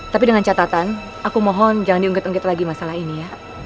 tapi dengan catatan aku mohon jangan diungkit ungkit lagi masalah ini ya